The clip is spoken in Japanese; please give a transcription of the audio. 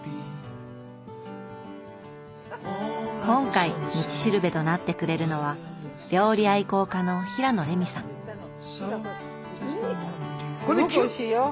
今回道しるべとなってくれるのはすごくおいしいよ！